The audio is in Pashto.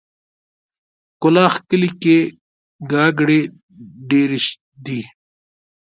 کلاخ کلي کې ګاګرې ډېرې دي.